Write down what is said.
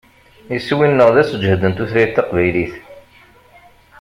Iswi-nneɣ d aseǧhed n tutlayt taqbaylit.